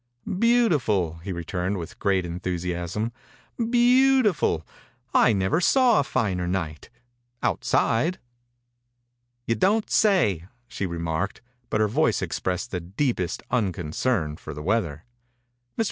« Beautiful," he returned with great enthusiasm. « Beautiful I I never saw a finer night — out side." "You don't sayl" she re marked, but her voice expressed the deepest unconcern for the weather. Mr.